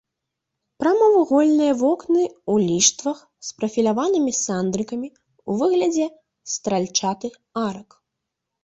Прамавугольныя вокны ў ліштвах з прафіляванымі сандрыкамі ў выглядзе стральчатых арак.